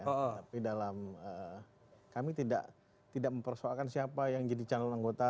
tapi dalam kami tidak mempersoalkan siapa yang jadi calon anggota